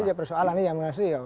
ini persoalan ya munafsriaw